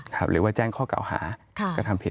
หรือว่าแช่งข้อเก่าหาทางผิด